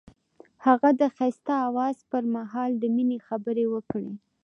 هغه د ښایسته اواز پر مهال د مینې خبرې وکړې.